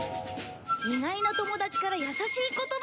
意外な友達からやさしい言葉。